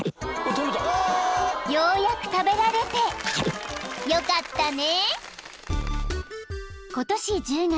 ［ようやく食べられてよかったね！］